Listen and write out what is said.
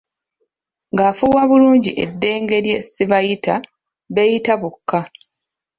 Ng'afuuwa bulungi eddenge lye Sibayita, beeyita bokka.